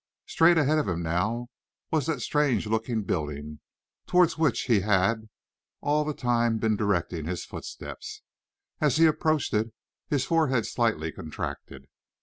Straight ahead of him now was that strange looking building towards which he had all the time been directing his footsteps. As he approached it, his forehead slightly contracted.